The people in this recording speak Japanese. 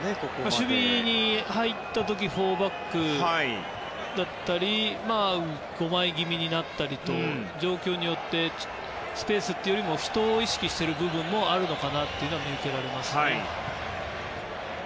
守備に入った時４バックだったり５枚気味になったり状況によってスペースというより、人を意識している部分があるのかなと見受けられますね。